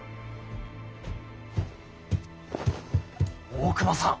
大隈さん